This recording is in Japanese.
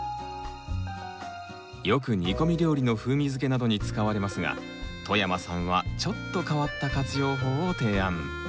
よく煮込み料理の風味づけなどに使われますが外山さんはちょっと変わった活用法を提案。